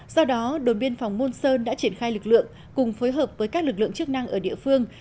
do đó đồn biên phòng môn sơn đã triển khai lực lượng cùng phối hợp với các lực lượng chức năng ở địa phương